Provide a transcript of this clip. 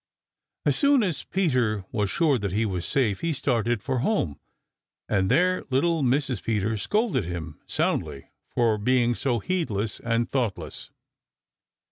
As soon as Peter was sure that he was safe he started for home, and there little Mrs. Peter scolded him soundly for being so heedless and thoughtless.